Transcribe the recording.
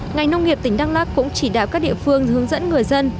ngành nông nghiệp tỉnh đắk lắc cũng chỉ đạo các địa phương hướng dẫn người dân